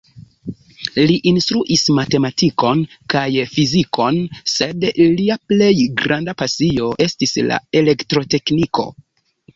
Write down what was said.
Li instruis matematikon kaj fizikon, sed lia plej granda pasio estis la elektrotekniko.